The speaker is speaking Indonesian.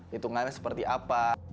hitungannya seperti apa